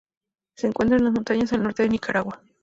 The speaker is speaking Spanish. Se encuentra en las montañas del norte de Nicaragua.